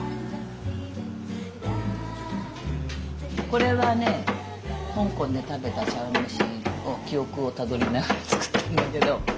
これはね香港で食べた茶碗蒸しの記憶をたどりながら作ってるんだけど。